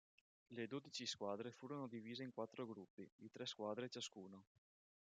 Le dodici squadre furono divise in quattro gruppi, di tre squadre ciascuno.